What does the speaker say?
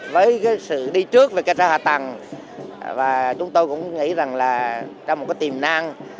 với cái sự đi trước về cái hạ tầng và chúng tôi cũng nghĩ rằng là trong một cái tiềm năng